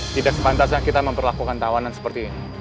tidak sepantasnya kita memperlakukan tawanan seperti ini